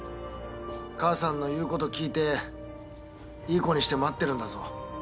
母さんの言うこと聞いていい子にして待ってるんだぞ。